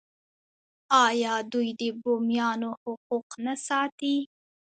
آیا دوی د بومیانو حقوق نه ساتي؟